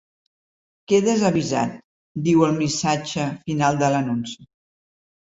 Quedes avisat, diu el missatge final de l’anunci.